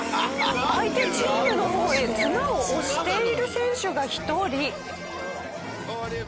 相手チームの方へ綱を押している選手が一人。